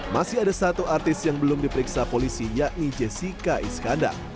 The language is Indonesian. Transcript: masih ada satu artis yang belum diperiksa polisi yakni jessica iskandar